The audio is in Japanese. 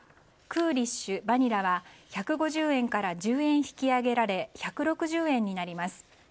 クーリッシュバニラは１５０円から１０円引き上げられ１６０円になります。